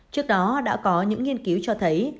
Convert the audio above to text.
trước đó đã có những nghiên cứu cho thấy